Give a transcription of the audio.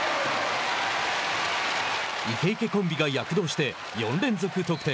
池池コンビが躍動して４連続得点。